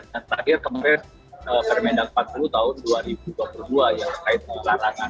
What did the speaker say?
dan akhir kemarin permedan empat puluh tahun dua ribu dua puluh dua yang terkait dengan larangan